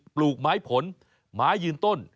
ปลูกไม้ผลไม้ยืนต้น